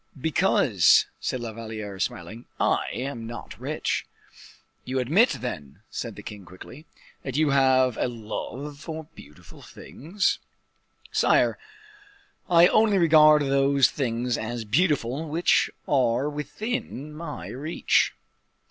"Because," said La Valliere, smiling, "I am not rich." "You admit, then," said the king, quickly, "that you have a love for beautiful things?" "Sire, I only regard those things as beautiful which are within my reach.